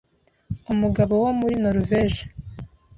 umugabo wo muri Noruveji